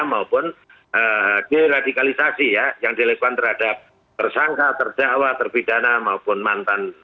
maupun deradikalisasi ya yang dilakukan terhadap tersangka terdakwa terpidana maupun mantan